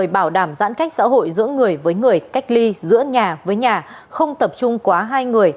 bảo đảm giãn cách xã hội giữa người với người cách ly giữa nhà với nhà không tập trung quá hai người